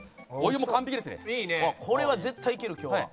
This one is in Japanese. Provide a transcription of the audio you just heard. これは絶対いける今日は。